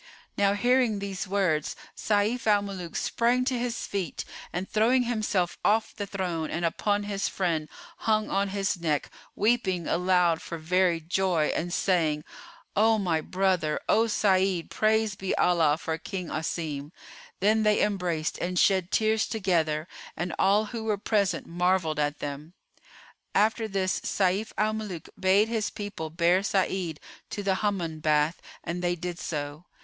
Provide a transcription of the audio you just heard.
Now hearing these words Sayf al Muluk sprang to his feet and throwing himself off the throne and upon his friend, hung on his neck, weeping aloud for very joy and saying, "O my brother, O Sa'id, praise be Allah for that I see thee alive! I am thy brother Sayf al Muluk, son of King Asim." Then they embraced and shed tears together and all who were present marvelled at them. After this Sayf al Muluk bade his people bear Sa'id to the Hammam bath: and they did so.